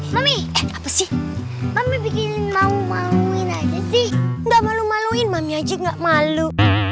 mami apa sih mami bikin mau maluin aja sih nggak malu maluin mami aja gak malu